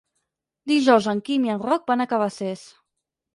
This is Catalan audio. Dijous en Quim i en Roc van a Cabacés.